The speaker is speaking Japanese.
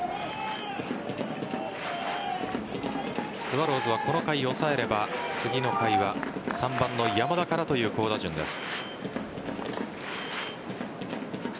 スワローズはこの回を抑えれば次の回は３番の山田からという好打順です。